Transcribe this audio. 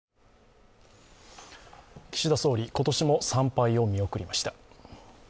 岸田総理、今年も参拝を見送りました。